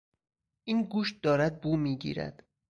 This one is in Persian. این گوشت دارد بو میگیرد.